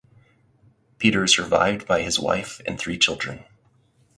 Peter is survived by his wife and three children.